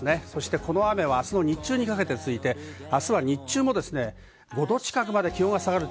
この雨、明日の日中にかけて続いて明日は日中も５度近くまで気温が下がります。